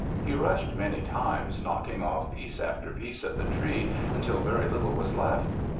He rushed many times, knocking off piece after piece of the tree, until very little was left.